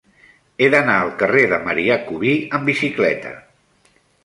He d'anar al carrer de Marià Cubí amb bicicleta.